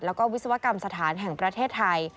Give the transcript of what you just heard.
แล้วก็วิศวกรรมสถานแห่งประเทศไทย